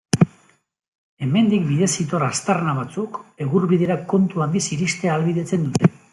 Hemendik, bidezidor aztarna batzuk, Egurbidera kontu handiz iristea ahalbidetzen dute.